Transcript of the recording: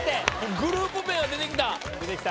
グループ名は出てきた。